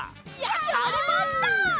やりました！